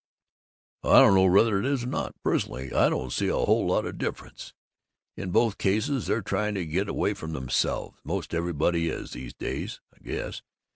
"I don't know whether it is or not! Personally I don't see a whole lot of difference. In both cases they're trying to get away from themselves most everybody is, these days, I guess.